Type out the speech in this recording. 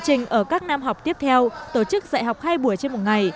trình ở các năm học tiếp theo tổ chức dạy học hai buổi trên một ngày